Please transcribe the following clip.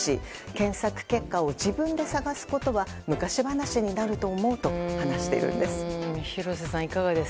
検索結果を自分で探すことは昔話になると思うと話しているんです。